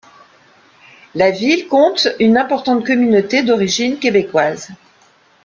La ville compte une importante communauté d’origine québécoise.